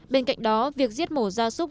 bên cạnh đó việc giết mổ da súc